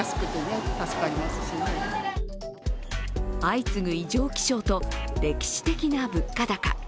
相次ぐ異常気象と歴史的な物価高。